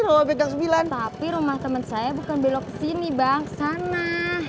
oh betok sembilan tapi rumah teman saya bukan belok sini bang sana